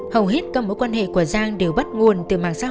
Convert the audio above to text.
hầu hết các mối quan hệ của giang đều bắt nguồn từ mạng xã hội